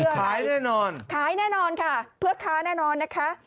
เพื่ออะไรขายแน่นอนค่ะเพื่อค้าแน่นอนนะคะ